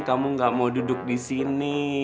kamu gak mau duduk disini